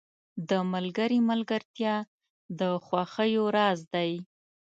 • د ملګري ملګرتیا د خوښیو راز دی.